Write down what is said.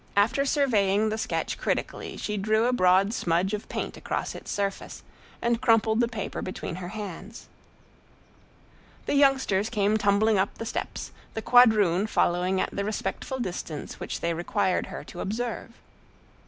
After surveying the sketch critically she drew a broad smudge of paint across its surface, and crumpled the paper between her hands. The youngsters came tumbling up the steps, the quadroon following at the respectful distance which they required her to observe. Mrs.